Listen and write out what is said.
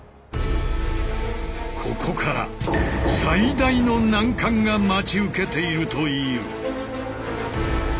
ここから最大の難関が待ち受けているという。